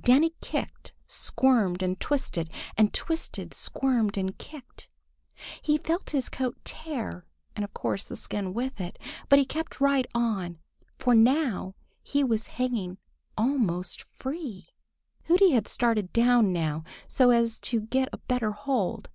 Danny kicked, squirmed and twisted, and twisted, squirmed, and kicked. He felt his coat tear and of course the skin with it, but he kept right on, for now he was hanging almost free. Hooty had started down now, so as to get a better hold.